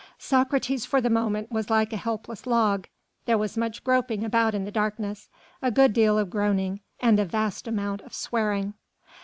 Socrates for the moment was like a helpless log. There was much groping about in the darkness, a good deal of groaning, and a vast amount of swearing.